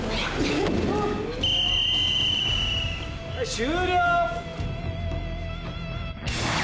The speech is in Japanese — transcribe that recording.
・終了！